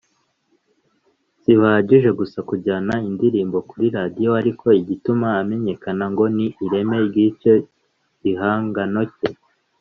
si bihagije gusa kujyana indirimbo kuri radiyo ariko igituma amenyekana ngo ni ireme ry’icyo gihangano cye